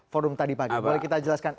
forum tadi pagi boleh kita jelaskan